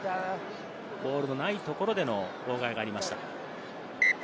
ボールのないところでの妨害がありました。